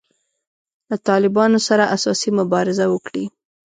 له طالبانو سره اساسي مبارزه وکړي.